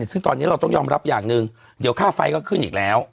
ซึ่งตอนนี้เราต้องยอมรับอย่างหนึ่งเดี๋ยวค่าไฟก็ขึ้นอีกแล้ว